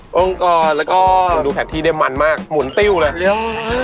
ป้องกรแล้วก็แข็งที่ได้มันมากหมุนติ้วเลยเร็วเร็ว